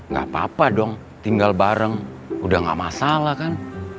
gak apa apa dong tinggal bareng udah gak masalah kan